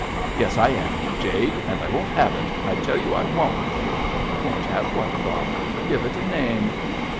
'Yes, I am, you jade! and I won't have it. I tell you I won't!' 'Won't have what, father? Give it a name.'